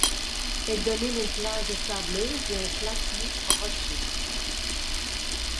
Elle domine une plage sableuse et un platier rocheux.